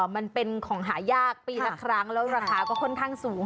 มันเป็นของหายากปีละครั้งแล้วราคาก็ค่อนข้างสูง